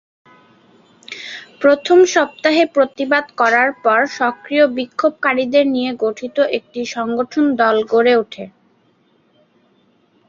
প্রথম সপ্তাহে প্রতিবাদ করার পর সক্রিয় বিক্ষোভকারীদের নিয়ে গঠিত একটি সংগঠন দল গড়ে উঠে।